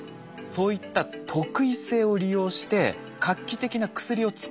そういった特異性を利用して画期的な薬を作ってしまおう。